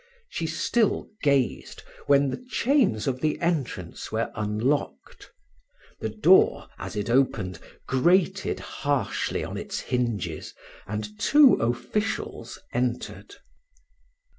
She still gazed, when the chains of the entrance were unlocked. The door, as it opened, grated harshly on its hinges, and two officials entered.